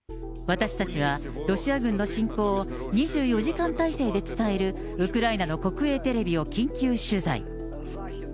私たちは、ロシア軍の侵攻を２４時間体制で伝える、ウクライナの国営テレビを緊急取材。